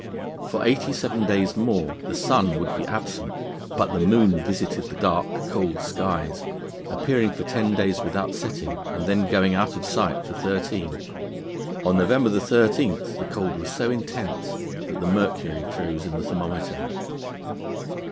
For eighty seven days more the sun would be absent, but the moon visited the dark, cold skies, appearing for ten days without setting, and then going out of sight for thirteen. On November 13 the cold was so intense that the mercury froze in the thermometer.